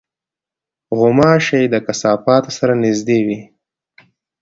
غوماشې د کثافاتو سره نزدې وي.